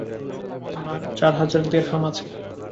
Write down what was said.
আমার চার হাজার দেরহাম আছে।